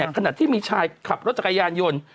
ขณะที่มีชายขับรถจักรยานยนต์